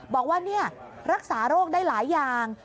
บอกว่ารักษาโรคได้หลายอย่าง